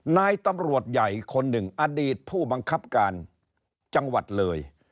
นายตำรวจใหญ่คนหนึ่งอดีตผู้บังคับการจังหวัดเลย